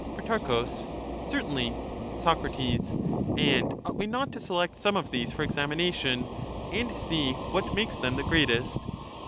Pro, Certainly. 46 Soc, And ought we not to select some of these for examina tion, and see what makes them the greatest